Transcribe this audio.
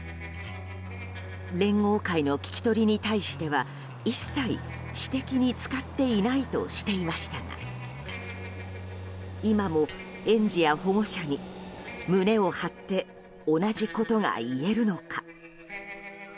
連合会の聞き取りに対しては一切、私的に使っていないとしていましたが今も園児や保護者に胸を張って同じことが言えるのか。